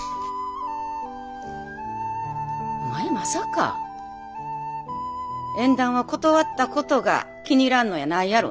お前まさか縁談を断ったことが気に入らんのやないやろな？